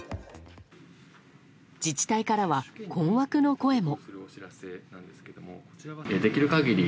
自治体からは困惑の声も。